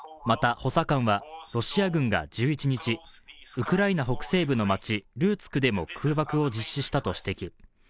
また補佐官は、ロシア軍が１１日ウクライナ北西部の街ルーツクでも空爆を実施したと指摘。